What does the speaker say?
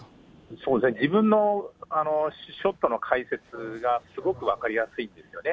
そうですね、自分のショットの解説がすごく分かりやすいんですよね。